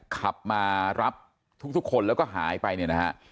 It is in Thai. ขับมารับทุกคนแล้วก็หายไปเนี่ยนะฮะ